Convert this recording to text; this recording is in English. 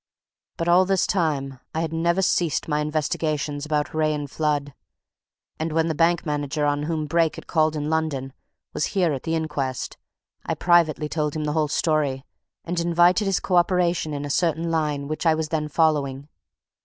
But, all this time, I had never ceased my investigations about Wraye and Flood, and when the bank manager on whom Brake had called in London was here at the inquest, I privately told him the whole story and invited his co operation in a certain line which I was then following.